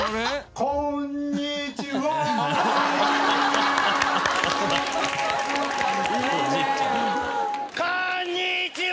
こんにちは！！